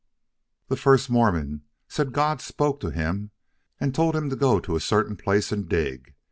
"The first Mormon said God spoke to him and told him to go to a certain place and dig.